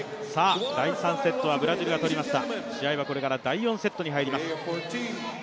第３セットはブラジルが取りました試合はこれから第４セットに入ります。